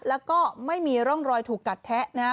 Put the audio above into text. แล้วก็ไม่มีร่องรอยถูกกัดแทะนะครับ